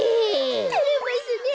てれますねえ。